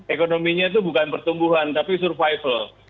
ekonominya itu bukan pertumbuhan tapi survival